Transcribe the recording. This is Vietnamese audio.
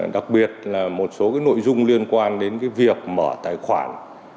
đặc biệt là một số nội dung liên quan đến việc mở tài khoản